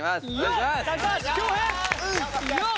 よっ！